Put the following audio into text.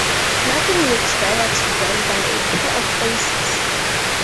Nothing looks better to them than a pair of aces.